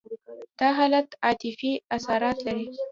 دا حالت عاطفي اسارت دی.